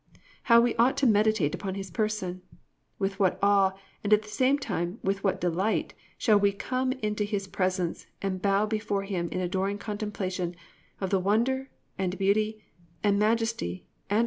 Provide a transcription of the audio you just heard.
How we ought to meditate upon His person! With what awe and at the same time with what delight we should come into His presence and bow before Him in adoring contemplation of the wonder and beauty and majesty and glory of His being!